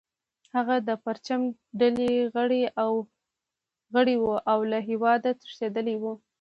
هغه د پرچم ډلې غړی و او له هیواده تښتیدلی و